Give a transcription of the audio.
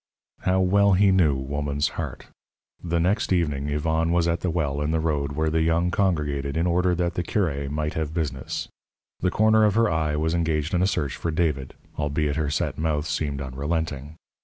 How well he knew woman's heart! The next evening Yvonne was at the well in the road where the young congregated in order that the curé might have business. The corner of her eye was engaged in a search for David, albeit her set mouth seemed unrelenting.